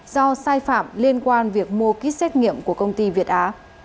do sai phạm liên quan việc mua kýt xét nghiệm của công ty việt á